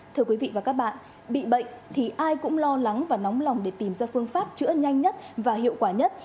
thưa quý vị và các bạn bị bệnh thì ai cũng lo lắng và nóng lòng để tìm ra phương pháp chữa nhanh nhất và hiệu quả nhất